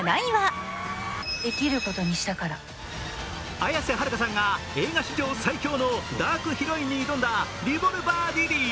綾瀬はるかさんが映画史上最強のダークヒロインに挑んだ「リボルバー・リリー」。